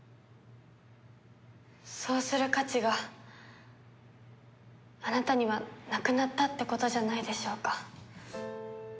そうする価値があなたにはなくなったってことじゃないでしょうか。